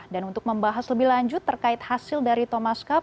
dan untuk membahas lebih lanjut terkait hasil dari thomas cup